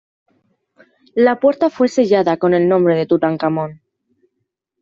La puerta fue sellada con el nombre de Tutankamón.